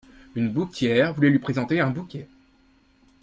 Une bouquetière voulait lui présenter un bouquet.